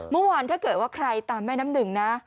เมื่อวานถ้าเกิดว่าใครตามแม่น้ำหนึ่งนะ